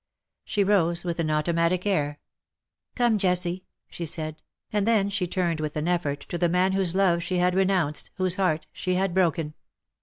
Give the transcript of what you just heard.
She rose with an automatic air. " Come, Jessie,^^ she said : and then she turned with an effort to the man whose love she had renounced, whose heart she had broken.